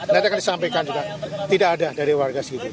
nanti akan disampaikan juga tidak ada dari warga segitu